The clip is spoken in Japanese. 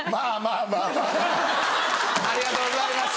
ありがとうございます。